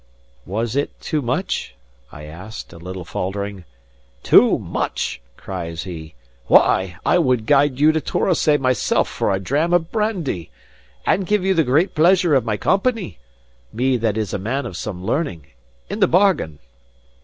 "Was it too much?" I asked, a little faltering. "Too much!" cries he. "Why, I will guide you to Torosay myself for a dram of brandy. And give you the great pleasure of my company (me that is a man of some learning) in the bargain."